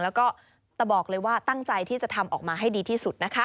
แล้วก็แต่บอกเลยว่าตั้งใจที่จะทำออกมาให้ดีที่สุดนะคะ